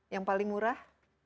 yang paling murah